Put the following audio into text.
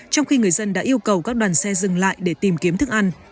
trong khi người dân đã yêu cầu các đoàn xe dừng lại để tìm kiếm thức ăn